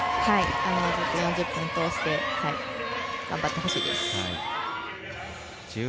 ４０分通して頑張ってほしいです。